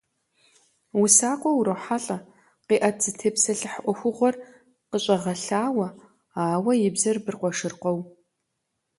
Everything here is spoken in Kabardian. УсакӀуэ урохьэлӀэ, къиӀэт, зытепсэлъыхь Ӏуэхугъуэр къыщӀэгъэлъауэ, ауэ и бзэр быркъуэшыркъуэу.